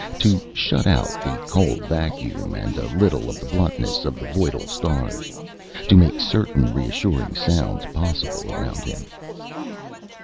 To shut out the cold vacuum, and a little of the bluntness of the voidal stars. To make certain reassuring sounds possible around him.